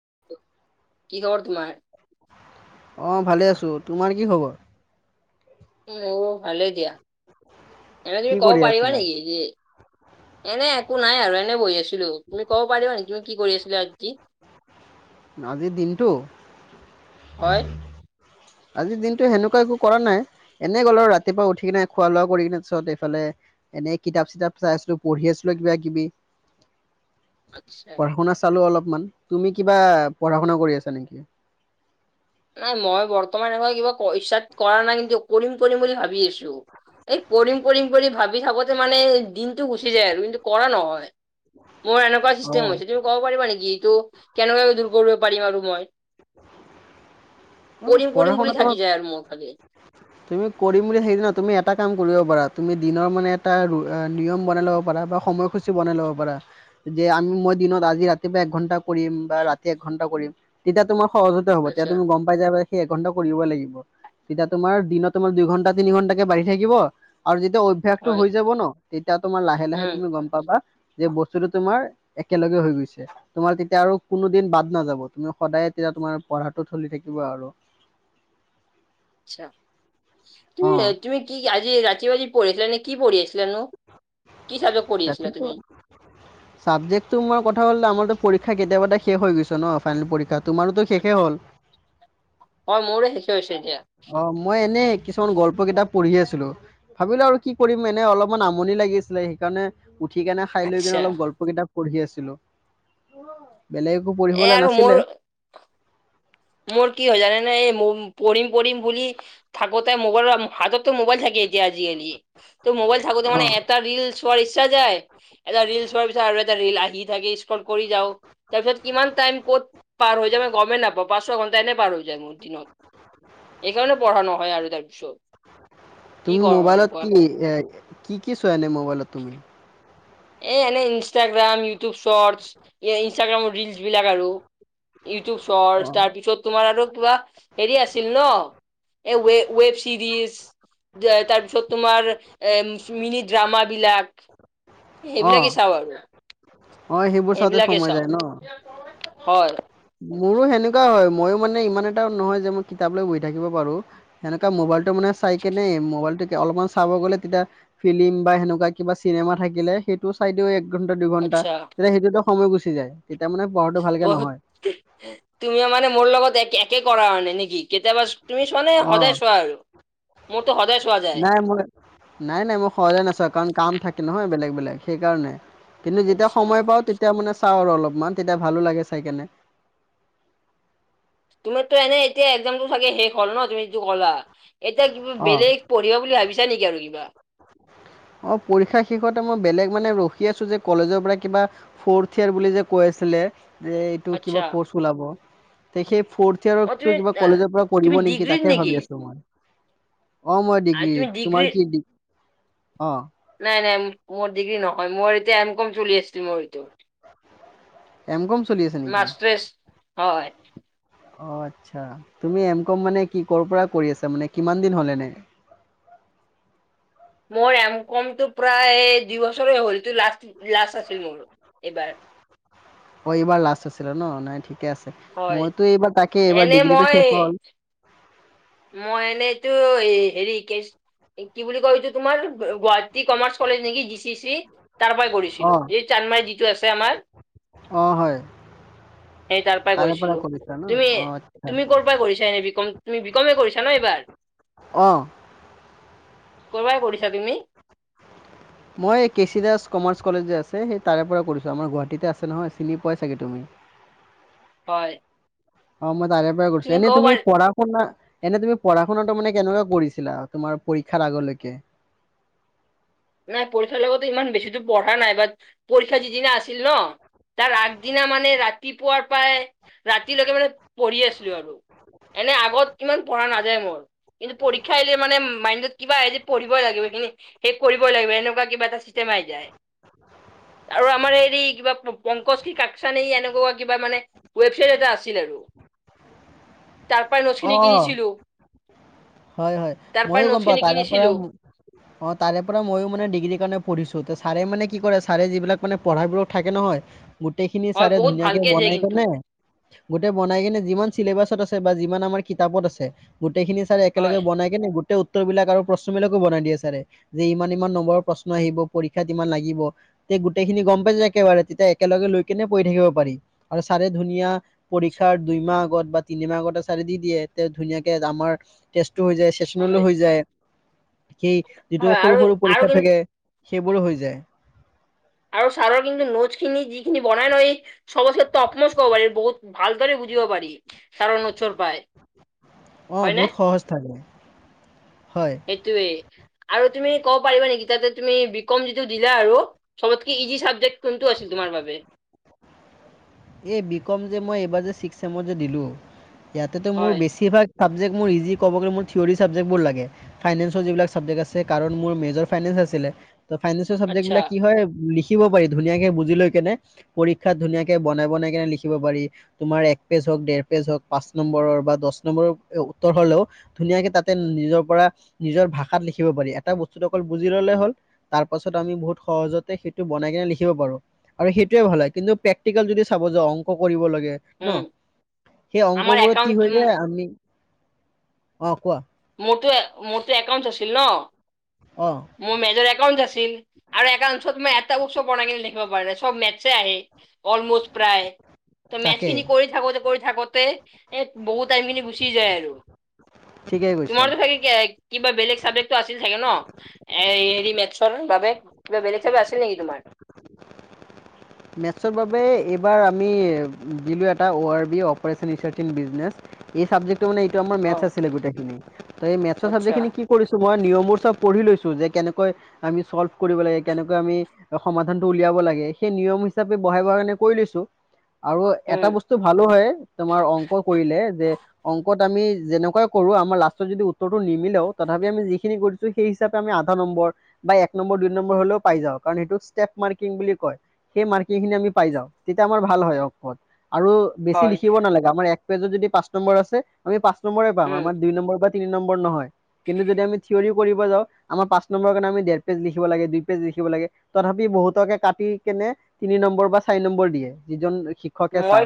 [unintelligible] কিহৰ তোমাৰ। অ' ভালে আছোঁ তোমাৰ কি খবৰ? মোৰ ভালে দিয়া। এনে কি তুমি কৰি ক'ব পাৰিবা আছিলা নেকি। যে এনে একো নাই আৰু এনে বহি আছো। তুমি ক'ব পাৰিবা নে তুমি কি কৰি আছিলা আজি। আজিৰ দিনটো। হয়। আজিৰ দিনতটো সেনেকুৱা একো কৰা নাই এনেই গ'ল আৰু ৰাতিপুৱা উঠি কিনে খোৱা লোৱা কৰি কিনেত এইফালে। এনে কিতাপ চিতাপ চাই আছিলো পঢ়ি আছিলো কিবা কিবি। আচ্ছা। পঢ়া শুনা চালো অলপমান তুমি কিবা পঢ়া শুনা কৰি আছা নেকি। নাই মই বৰ্তমান এনেকা কিবা পইচাত কৰা নাই কিন্তু কৰিম কৰিম বুলি ভাবি আছো। এই কৰিম কৰিম কৰি ভাবি থাকোতে মানে দিনটো গুচি যায় আৰু কিন্তু কৰা নহয়। মোৰ এনেকুৱা অ চিষ্টেম হৈছে তুমি ক'ব পাৰিবা নেকি? ত কেনে কম দূৰ কৰিব পাৰিম আৰু মই। অ কৰিম কৰিম পঢ়া বুলি শুনাটো থাকি যায় আৰু মোৰ খালি। তুমি কৰিম বুলি হেদিনা তুমি এটা কাম কৰিব পাৰা তুমি দিনৰ মানে এটা নিয়ম বনাই ল'ব পাৰা বা সময়সূচী বনাই ল'ব পাৰা। যে আমি মই দিনত আজি ৰাতিপুৱা একঘন্টা কৰিম বা ৰাতি এক ঘন্টা কৰিম তেতিয়া তোমাক। সহজতে হ'ব তেতিয়া আচ্ছা তুমি গম পাই যাই সেই এঘণ্টা কৰিবই লাগিব। তেতিয়া তোমাৰ দিনত তোমাৰ দুইঘণ্টা তিনি ঘণ্টাকে বাঢ়ি থাকিব আৰু। তেতিয়া অভ্যাসটো হয়, হৈ যাব ন তেতিয়া তোমাৰ লাহে লাহে উম তুমি গম পাবা। যে বস্তুটো তোমাৰ একেলগে হৈ গৈছে। তোমাৰ তেতিয়া আৰু কোনো দিন বাদ নাযাব। তুমি সদায় তেতিয়া তোমাৰ পঢ়াটো চলি থাকিব আৰু। আচ্ছা তুমি কি আজি ৰাতি বাজি পঢ়িছিলে নে কি পঢ়ি আছিলেনো? তাকে তো সাবজেক্ট তোৰ মই কথা কলে আমৰ পৰীক্ষা কেতিয়াবাটে শেষ হৈ গৈছে ন ফাইনেল পৰীক্ষা তোমাৰোতো শেষে হ'ল। অ' মোৰো শেষে হৈছে। এতিয়া। অ মই এনেই। কিছুমান গল্প কিতাপ পঢ়ি আছিলো ভাবিলো আৰু কি কৰিম এনে অলপমান আমনি লাগিছিলে সেইকাৰণে। উঠি কেনে খাই লৈ আচ্ছা কেনে অলপ গল্প কিতাপ পঢ়ি আছিলো। বেলেগ একো এ পঢ়িবলৈ আৰু মোৰ নাছিলে। মোৰ কি হয় জানে নে এই পঢ়িম-পঢ়িম বুলি থাকোতে [unintelligible] হাতততো মোবাইল থাকে তেতিয়া আজিকালি ত মোবাইল থাকোতে মান অঁ এটা ৰিল চোৱাৰ ইচ্ছা যায়। এটা ৰিল চোৱাৰ পিছত আৰু এটা ৰিল আহি থাকে স্ক কৰি যাওঁ। তাৰ পিছত কিমান টাইম ক'ত পাৰ হৈ। কেতিয়াবা গমে নাপওঁ। পাঁচ ছয় ঘন্টা এনেই পাৰ হৈ যায় মোৰ দিনত এইেইকাৰণে পঢ়া নহয় আৰু তাৰ পিছত তুমি মোবাইলত কি, এ কি কি চোৱা এনে মোবাইলত তুমি? এই এনেই ইনষ্টাগ্ৰাম, ইউটিউব চৰ্টচ, এ ইনষ্টাগ্ৰামৰ ৰিলচবিলাক আৰু ইউটিউব চৰ্টচ অঁ তাৰপিছত তোমাৰ আৰু কিবা হেৰি আছিল ন, এ ৱে ৱেব চিৰিজ তাৰপিছত তোমাৰ এ মিনি ড্ৰামা বিলাক। এ সেইবিলাকে চাওঁ আৰু। অ, সেইবোৰ চাওঁতে সেইবিলাকে সময় চাওঁ যায় ন? হয় মোৰো সেনেকুৱা হয়, ময়ো মানে ইমান এটা নহয় যে মই কিতাপ লৈ বহি থাকিব পাৰোঁ, সেনেকুৱা মোবাইলটো মানে চাই কেনে মোবাইলটো অলপমান চাব গ'লে তেতিয়া ফিলিম বা সেনেকুৱা কিবা চিনেমা থাকিলে, সেইটো চাই দিও একঘন্টা-দুইঘণ্টা আচ্ছা তেতিয়া সেইতো সময় গুচি যায়, তেতিয়া মানে পঢ়াটো ভালকে নহয়। তুমিও মানে মোৰ লগত এক একে কৰা আৰু নে নেকি? কেতিয়াবা তুমি চোৱানে অ সদায় চোৱা আৰু? মোৰতো সদায় চোৱা যায় নাই মই, নাই, নাই, মই সদায় নাচাওঁ, কাৰণ কাম থাকে নহয় বেলেগ-বেলেগ সেইকাৰণে, কিন্তু যেতিয়া আচ্ছা সময় পাওঁ তেতিয়া মানে চাওঁ আৰু অলপমান, তেতিয়া ভালো লাগে চাই কেনে। তুমিতো এনেই এতিয়া একজামবোৰ চাগে শেষ হল ন, তুমি যিটো কলা? এতিয়া কিবা অ। বেলেগ পঢ়িবা বুলি ভাবিছা নেকি আৰু কিবা? অ, পৰীক্ষা শেষতে মই বেলেগ মানে ৰখি আছো যে, কলেজৰ পৰা কিবা ফৰ্থ ইয়াৰ বুলি যে কৈ আছ ছিলে যে এইটো আচ্ছা কিবা কৰ্চ ওলাব, তে সেই ফ'ৰ্থ অ ইয়াৰকটো তুমি কিবা কলেজৰ পৰা তুমি কৰিব নেকি ডিগ্ৰীত তাকে ভাবি আছো মই। অ', মই আৰু তুমি ডিগ্ৰীত, ডিগ্ৰী তোমাৰ কি ডিগ, অ' নাই, নাই, মোৰ ডিগ্ৰী নহয় মোৰ এতিয়া এম কম চলি আছিল মোৰ ইটো। এম কম চলি আছে নেকি? হয়। অ' আচ্ছা, তুমি এম কম মানে কি ক'ৰ পৰা কৰি আছা মানে, কিমান দিন হ'ল এনে? [inaudible] মোৰ এম কমটো প্ৰায় দুই বছৰে হ'লতো, লাষ্ট, লাষ্ট আছিল মোৰ। এইবাৰ অ, এইবাৰ লাষ্ট আছিল ন, নাই ঠিক কে আছে, হয় মইতো এইবাৰ তাকেই, এইবাৰ এনে ডিগ্ৰীটো মই শেষ হ'ল। মই এনেই এইটো হেৰি কে চি, কি বুলি কয় এইটো তোমাৰ, গুৱাহাট টী কমাৰ্চ কলেজ নেকি, জি চি চি, তাৰ পৰাই কৰিছিলো। এই চানমাৰিত যিটো আছে আমাৰ অ' হয়। সেই তাৰ পৰাই তাৰে কৰিছিলো পৰা কৰিছা ন? তুমি অ' আচ্ছা। তুমি ক'ৰ পৰাই কৰিছা এনে বি কম তুমি বি কৰিছা ন এইবাৰ? অঁ কৰ'বাই পঢ়িছা তুমি? মই K C Das commerce college যে আছে, সেই তাৰে পৰা কৰিছোঁ আমাৰ গুৱাহাটীতে আছে নহয়, চিনি পোৱাই চাগে তুমি। [inaudible] হয়। অ মই তাৰে পৰা কৰিছো, এনেই ক'ব তুমি পাৰা পঢ়া-শুনা এনে তুমি পঢ়া শুনাটো মানে কেনেকুৱা কৰিছিলা, তোমাৰ পৰীক্ষাৰ আগলৈকে? নাই পৰীক্ষাৰ লগতো ইমান বেছিতো পঢ়া নাই, বাট পৰীক্ষা যিদিনা আছিল ন তাৰ আগদিনা মানে ৰাত ৰাতিপুৱাৰ পাই ৰাতিলৈকে মানে পঢ়ি আছিলো আৰু, এনে আগত ইমান পঢ়া না [unintelligible] মোৰ, কিন্তু পৰীক্ষা আহিলে মানে মাইনডত কিবা এই যে পঢ়িবই লাগিব, সেই পঢ়িবই লাগিব এনেকুৱা কিবা এটা চিষ্টেম আহি যায়। আৰু আমাৰ হেৰি, কিবা পংকজ কি কাকচান এই এনেকুৱা কিবা মানে ৱেবচাইট এটা আছিল আৰু। তাৰ পৰাই নোট্ছখিনি কিনিছিলো। হয়-হয় তাৰ পৰাই মইও গম পাওঁ নোটছখিনি তাৰে পৰা কিনিছিলো অ' তাৰে তাৰ পৰা ময়ো মানে ডিগ্ৰীৰ কাৰণে পঢ়িছো ছাৰে মানে কি কৰে ছাৰে যিবিলাক মানে পঢ়াবোৰ থাকে নহয় গোটেই খিনি হয় চাৰে বহুত ধুনীয়াকে ভালকে দিয়ে বনাই কিন্তু কনে গোটেই বনাই কেনে যিমান চিলেবাছত আছে বা যিমান আমাৰ কিতাপত আছে গোটেই খিনি ছাৰে একেলগে হয় বনাই কেনে গোটেই উত্তৰ বিলাক আৰু প্ৰশ্ন বিলাকো বনাই দিয়ে ছাৰে যে ইমান ইমান নম্বৰৰ প্ৰশ্ন আহিব পৰীক্ষাত ইমান লাগিব গোটেই খিনি গম পাই যে একেবাৰে তেতিয়া একেলগে লৈ কেনে পঢ়ি থাকিব পাৰি আৰু চাৰে ধুনীয়া পৰীক্ষাৰ দুই মাহ আগত বা তিনি মাহ আগত আ তাতে দি দিয়ে তেওঁ ধুনাকে আমাৰ টেষ্টো হৈ যায় চেচনলো হয় হৈ যায় [unintelligible] সেই যিটো হয় সৰু আৰু সৰু আৰু পৰীক্ষা কিন্তু থাকে সেইবোৰো হৈ যায় আৰু ছাৰৰ কিন্তু নোট্চখিনি যিখিনি বনাই লয় ছবত চে টপ নোটছ কব পাৰি বহুত ভালদৰে [unintelligible] [unintelligible] পাৰি কাৰন [unintelligible] পাই। অ হয়নে বহুত সহজ থাকে হয় সেইটোয়েই আৰু তুমি ক'ব পাৰিবা নেকি তাতে তুমি বি কম যিটো দিলা আৰু চবতকে ইজি চাবজেক্ট কোনটো আছিল তোমাৰ বাবে [unintelligible] এই বি কম যে মই এইবাৰ ছিক্স ছেমত যে দিলো ইয়াতেতো মোৰ হয় বেছিভাগ ছাবজেক্ মোৰ ইজি ক'ব' মোৰ থিয়ৰৰি ছাবজেক্ট মোৰ ইজি কব গলে মোৰ থিয়ৰী চাবজেক্ট বোৰ লাগে ফাইনেন্ঞ্চৰ যিবিলাক চাবযেক্ট আছে কাৰন মোৰ মেজৰ ফাইনেন্ঞ্চ [unintelligible] আছিলে। ত ফাইনান্সৰ সাবজেক্ট আচ্ছা বিলাক কি হয় লিখিব পাৰি ধুনীয়াকে বুজি লয় কেনে পৰীক্ষাত ধুনীয়াকে বনাই বনাই কেনে লিখিব পাৰি তোমাৰ এক পেজ হওঁক দেৰ পেজ হওঁক পাঁচ নম্বৰৰ বা দহ নম্বৰৰ হলেও ধুনীয়াকে তাতে নিজৰ পৰা নিজৰ ভাষাত লিখিব পাৰি এটা বস্তুটো অকল বুজি ললে হ'ল তাৰ পাছত আমি বহুত সহজতে সেইটো বনাই কিনে লিখিব পাৰো আৰু সেইটোৱে ভাল হয় কিন্তু প্ৰেক যদি চাব যাও অংক কৰিব লাগে ন উম সেই আমাৰ অংকবোৰত কি একাউণ্ট হৈ যায় আমি অ', কোৱা? মোৰটো মোৰটো একাউন্স আছিল ন অ মোৰ মে একাউঞ্চ আছিল আৰু একাওন্সত মই এটা উৎসৱ বনাই কি লেখিব পাৰ নাই চব মেটছে আহে অলমষ্ট প্ৰায় [unintelligible] ত মেচ তাকে খিনি কৰি থাকোঁতে কৰি থাকোঁতে এ বহুত টাইম খিনি গুচি যায় আৰু ঠিকেই কৈছা। তোমাৰতো থে [unintelligible] কিবা বেলেগ চাবজেক্টটো আছিল থাগে ন হেৰি মেথছৰ বাবে কিবা বেলেগ চাবজে আছিল নেকি তোমাৰ [unintelligible] মেথছৰ বাবে এইবাৰ আমি দিলোঁ এটা O R B operation research in business এই চাবজেক তো মানে এইটো আমাৰ অ মেথছ আছিলে গোটেইখিনি ত এই মেথছৰ চাবজেক আচ্ছা খিনি কি কৰিছো মই নিয়ম বোৰ চব পৰহি লইছো যে কেনেকৈ আমি সলভ কৰিব লাগে কেনেকৈ আমি সমাধানটো উলিয়াব লাগে সেই নিয়ম হিচাপে বহাই বহাই আনি কৰি লৈছোঁ আৰু এটা উম বস্তু ভালো হয় তোমাৰ অংক কৰিলে যে অংকত আমি যেনেকুৱা কৰো আমাৰ লাষ্টত যদি উত্তৰটো নিমিলেও তথাপি আমি যিখিনি কৰিছো সেই হিচাপে আমি আধা নম্বৰ বা এক নম্বৰ দুই নম্বৰ হলেও পাই যা কাৰণ সেইটোক ষ্টেপ মাৰ্কিং বুলি কয় সেই মাৰ্কিং খিনি আমি পাই যাওঁ তেতিয়া আমাৰ ভাল হয় ওত আৰু বেছি হয় লিখিব নালাগে আমাৰ এক পেজত যদি পাঁচ নম্বৰ আছে আমি পাঁচ নম্বৰে পাম উম আমাৰ দুই নম্বৰ বা তিনি নম্বৰ নহয়। কিন্তু যদি আমি থিয়ৰি কৰিব যাওঁ আমাৰ পাঁচ নম্বৰ কাৰণে আমি দেৰ পেজ লিখিব লাগে দুই পেজ লিখিব লাগে তথাপি বহুতকে কাটি কেনে তিনি নম্বৰ বা চাৰি নম্বৰ দিয়ে যিজন শিক্ষকে মই চাই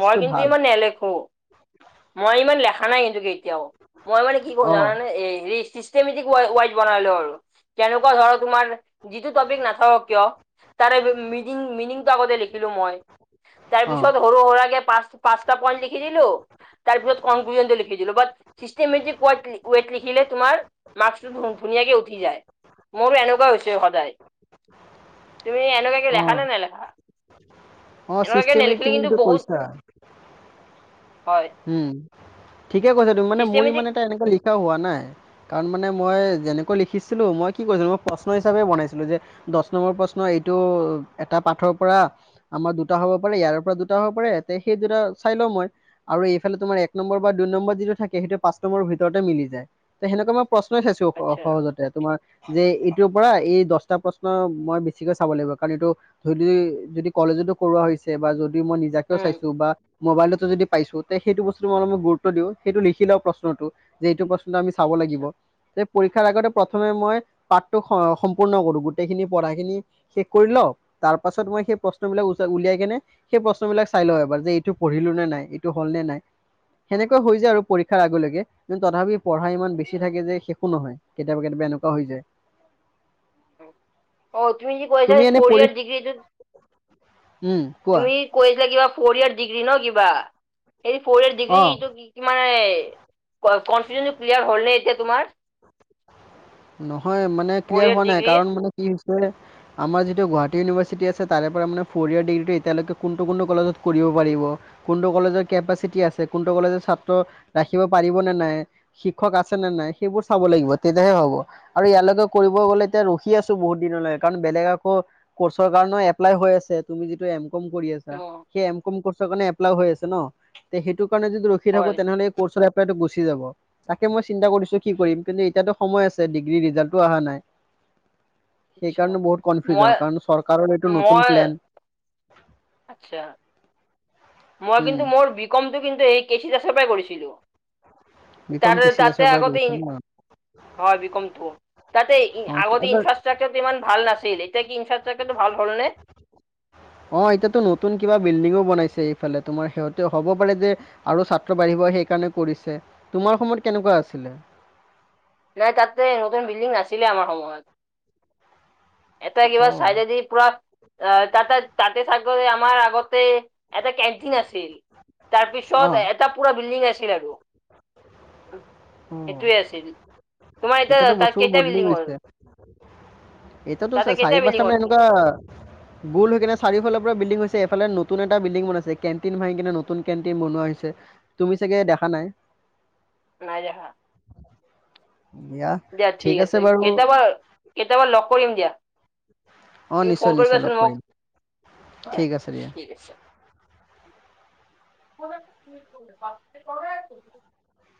মই কিন্তু ইমান নেলেখো মই ইমান লেখা নাই কিন্তু কি এতিয়াও মই মানে কি কৰো অ জানানে এ হেৰি চিষ্টেমেটিক ৱেট ৱাইজ বনাই লওঁ আৰু [unintelligible] তেনেকুৱা ধৰ তোমাৰ যিটো টপিক নাথাকক কিয় তাৰে মিনিং মিনিংটো আগতে লিখিলো মই তাৰ অ পিছত হৰু হৰা কে পাঁচ পাঁচটা পইণ্ট লিখি দিলো তাৰপিছত কনকুলোজনটো লিখি দিলো বাত চিষ্টমেটিক ৱট ৱেত লিখিলে তোমাৰ মাৰ্ক্স টো [unintelligible] ধুনীয়াকে উঠি যায় মোৰো এনেকুৱা হৈছে সদায় তুমি এনেকুৱা কি অ লেখা নে নে লেখা অ' চিষ্টেমেটিক। [unintelligible] হয় উম, ঠিকে কৈছা তুমি মানে মোৰ চিষ্টেমেটিক ইমান এটা এনেকুৱা লিখা হোৱা নাই কাৰণ মানে মই যেনেকৈ লিখিছিলোঁ মই কি কৰিছিলো মই প্ৰশ্ন হিচাপে বনাইছিলো যে দচ নম্বৰ প্ৰশ্ন এইটো ত' এটা পাঠৰ পৰা আমাৰ দুটা হ'ব পাৰে ইয়াৰ পৰা দুটা হ'ব পাৰে তে সেই দুটা চাই লওঁ মই। আৰু এইফালে তোমাৰ এক নম্বৰ বা দুই নম্বৰ যিটো থাকে সেইটো পাঁচ নম্বৰ ভিতৰতে মিলি যায় তে সেনেকুৱা মই প্ৰশ্নই থাইছো আচ্ছা সহজতে তোমাৰ যে পৰা এই দশটা প্ৰশ্ন মই বেছিকে চাব লাগিব কাৰণ এইটো ধৰি যদি কলেজতো কৰোৱা হৈ ছে বা যদি মই নিজাকেও উম। চাইছোঁ বা, মোবাইলতো যদি পাইছোঁ তে সেইটো বস্তু মই অলপ গুৰুত্ব দিওঁ সেইটো লিখিাও প্ৰশ্নটো যে এইটো প্ৰশ্ন [unintelligible] আমি চাব লাগিব, যে পৰীক্ষাৰ আগতে প্ৰথমে মই, পাঠটো সম্পূৰ্ণ কৰো গোটেইখিনি পঢ়া খিনি শেষ কৰি লওঁ, তাৰপাছত মই সেই প্ৰশ্ন বিলাক [unintelligible] উলিয়াই কিনে, সেই প্ৰশ্নবিলাক চাই লওঁ এবাৰ যে, এইটো পঢ়িলোঁ নে নাই। টো হ'ল নে নাই, সেনেকোৱা হৈ যায় আৰু পৰীক্ষাৰ আগলৈকে, [unintelligible] তথাপিও পঢ়া ইমান বেছি আচ্ছা থাকে যে শেষো নহয়, কেতিয়াবা কেতিয়াবা এনেকোৱা হৈ যায়। অ', তুমি যি কৈ আছা এনে পঢ়ি কৰিয়াৰ ডিগ্ৰীটো উম কোৱা তুমি কৈ [unintelligible] কিবা ফ'ৰ ইয়োৰ ডিগ্ৰী ন কিবা সেই ফ'ৰ ইয়েৰ অ ডিগ্ৰীটো কি মানে। কনফিউজনটো ক্লিয়াৰ হ'ল নে এতিয়া তোমাৰ। নহয় মানে ফ'ৰ ক্লিয়াৰ ইয়াৰ হোৱা নাই ডিগ্ৰীৰ? কাৰণ মানে কি আমাৰ যিটো গুৱাহাটী ইউনিভাৰ্চিটি আছে তাৰে পৰা মানে ফ' ইয়াৰ ডিগ্ৰীটো এতিয়ালৈক কোনটো কোনটো কলেজত- সুধিব পাৰিব, কোনটো কলেজৰ কেপাচিটি আছে কোনটো কলেজৰ ছাত্ৰ, ৰাখিব পাৰিব নে নাই। শিক্ষক আছে নে নাই সেইবোৰ চাব লাগিব তেতিয়াহে হ'ব। আৰু ইয়ালৈকে কৰিব গ'লে এতিয়া ৰখি আছো বহুত দিনলৈ কাৰণ বেলেগ আকৌ, কৰ্চৰ কাৰণে এপ্লাই হৈ হৈ আছে তুমি যিটো এম কম কৰি আছা, অ সেই এম কম কৰ্চৰ কাৰণে এপ্লাই হৈ আছে ন' তে সেইটো কাৰণে যদি ৰখি হয়। থাকোঁ তেনেহ'লে এই কৰ্চৰ এপ্লাইটো গুচ গুচি যাব, তাকে মই চিন্তা কৰিছোঁ কি কৰিম কিন্তু এতিয়াতো সময় আছ ছে, ডিগ্ৰীৰ ৰিজালটো অহা নাই। আচ্ছা সেইকাৰণে বহুত মই কনফিউজন কাৰণ চৰকাৰৰ এইটো নতুন মই প্লেন। আচ্ছা, মই উম কিন্তু মোৰ বি কমটো কিন্তু এই কে চি দাসৰ পৰাই কৰিছিলোঁ। বি কম তাৰ কে চি দাসৰ তাতে পৰা আগতে কৰিছো ই ন হয় বি কমটো, তাতে অ কি- আগতে আচ্ছা- ইনফ্ৰাষ্ট্ৰাকচাৰটো ইমান ভাল নাছ তেল এতিয়া তিন শ টকাটো ভাল হ'ল নে? অ এতিয়াতো নতুন কিবা বিল্ডিংও বনাইছে এইফালে, তোমাৰ সিহতে হ'ব পাৰে যে আৰু ছাত্ৰ বাঢ়িব সেইকাৰণে কৰিছে, তোমাৰ সময়ত কেনকুৱা আছিলে? নাই তাতে নতুন বিল্ডিং নাছিলে আমাৰ সময়ত। এটা কিবা অ চাইডেদি পুৰা আহ তাত তাতে চাগৈ আমাৰ আগতে এটা কেনটিন আছে ছিল, তাৰপিছত অ এটা পুৰা বিল্ডিং আছিল আৰু। অ সেইটোৱে আছিল। তোমাৰ এতিয়া এতিয়াতো তাত বস্তু কেইটা বদলি বিল্ডিং হ'ল গৈছে। এতিয়াতো তাতে কেইটা চাৰি বিল্ডিং পাঁচটা হ'ল মানে এনেকুৱা গোল হৈ কিনে চাৰিওফালৰ পৰা বিল বিল্ডিং হৈছে এইফালে নতুন এটা বিল্ডিং বনাইছে কেটিন ভঙি কিনে নতুন কেণ্টিন বনোৱা হৈছে, তুমি চাগে দেখা নাই? নাই দেখা। দিয়া ঠিক আছে কেইটয়াবা কেইটয়াবা লগ কৰিম দিয়া। অ তুমি ফোন নিশ্চয় নিশ্চয় কৰিবাচোন লগ মোক। কৰিম ঠিক আছে দিয়া ওপৰত [inaudible]